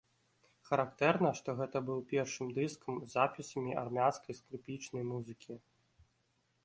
Характэрна, што гэта быў першым дыскам з запісамі армянскай скрыпічнай музыкі.